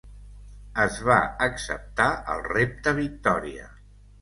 Es va acceptar el repte Victoria.